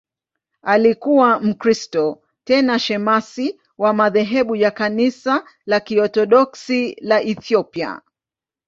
Alikuwa Mkristo, tena shemasi wa madhehebu ya Kanisa la Kiorthodoksi la Ethiopia.